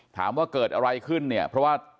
ถามว่าเกิดอะไรขึ้นเนี่ยเพราะว่า